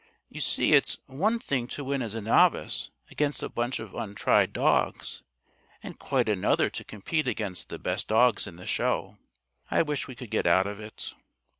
"You see, it's one thing to win as a Novice against a bunch of untried dogs, and quite another to compete against the best dogs in the show. I wish we could get out of it."